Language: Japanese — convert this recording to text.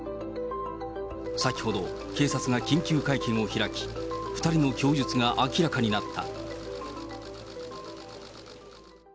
先ほど、警察が緊急会見を開き、２人の供述が明らかになった。